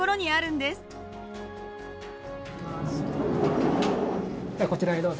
ではこちらへどうぞ。